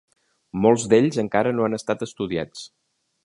Molts d'ells encara no han estat estudiats.